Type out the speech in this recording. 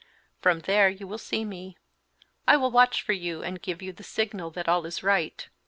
From there you will see me; I will watch for you and give you the signal that all is right.